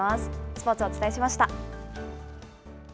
スポーツをお伝えしました。